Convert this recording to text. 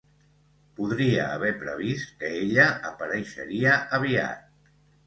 Podria haver previst que ella apareixeria aviat.